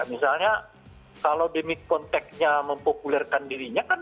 misalnya kalau demi konteksnya mempopulerkan dirinya kan